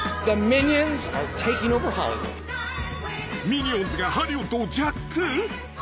［ミニオンズがハリウッドをジャック！？］